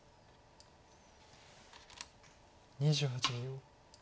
２８秒。